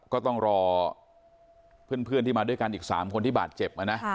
ก็ต้องรอเพื่อนที่มาด้วยกันอีก๓คนที่บาดเจ็บนะ